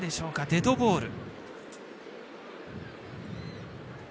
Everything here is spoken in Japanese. デッドボール。